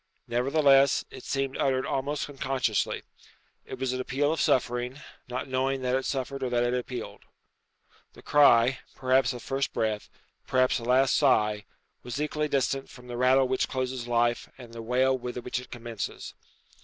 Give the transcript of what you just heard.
Nevertheless, it seemed uttered almost unconsciously. It was an appeal of suffering, not knowing that it suffered or that it appealed. The cry perhaps a first breath, perhaps a last sigh was equally distant from the rattle which closes life and the wail with which it commences.